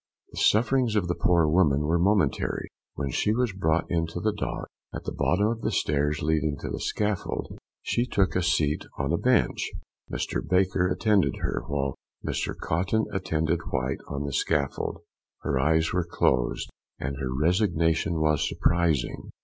The sufferings of the poor woman were momentary. When she was brought into the dock, at the bottom of the stairs leading to the scaffold, she took a seat on a bench. Mr. Baker attended her, while Mr. Cotton attended White on the scaffold. Her eyes were closed, and her resignation was surprising.